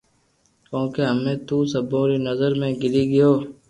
ڪونڪھ ھمي تو سبو ري نظرو ۾ گيري گيو